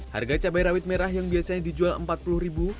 harga cabai rawit merah yang biasanya dijual rp empat puluh